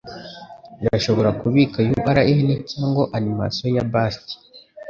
Irashobora kubika urn cyangwa animasiyo ya bust